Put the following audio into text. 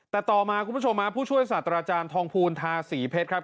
แต่ต่อมาคุณผู้ชมฮะผู้ช่วยศาสตราจารย์ทองภูลทาศรีเพชรครับ